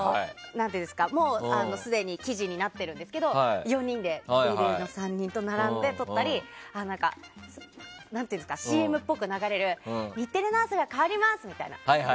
すでに記事になってるんですけど「ＤａｙＤａｙ．」の３人と並んで撮ったりＣＭっぽく流れる日テレの朝が変わります！みたいな。